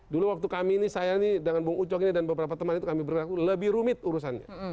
dulu waktu kami ini saya ini dengan bung ucok ini dan beberapa teman itu kami berkata lebih rumit urusannya